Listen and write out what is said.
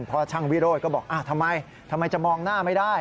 เพราะช่างวิโรธก็บอกทำไมทำไมจะมองหน้าไม่ได้